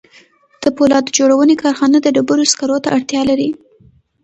د پولاد جوړونې کارخانه د ډبرو سکارو ته اړتیا لري